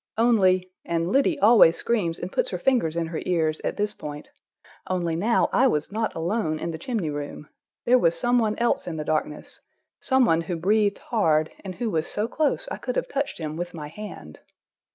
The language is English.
Only—and Liddy always screams and puts her fingers in her ears at this point—only now I was not alone in the chimney room. There was some one else in the darkness, some one who breathed hard, and who was so close I could have touched him with my hand.